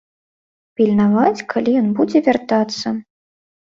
Пільнаваць, калі ён будзе вяртацца.